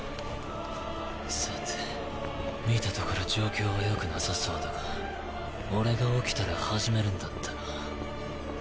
さて見たところ状況は良くなさそうだが俺が起きたら始めるんだったな。